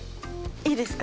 いいですか？